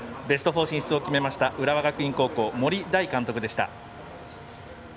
ベスト４進出を決めました浦和学院高校、森大監督でした。